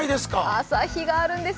朝日があるんです